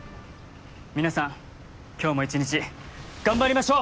皆さん今日も一日頑張りましょう！